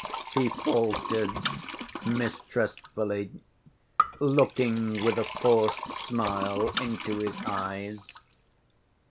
he faltered mistrustfully, looking with a forced smile into his eyes.